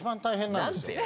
なんでよ。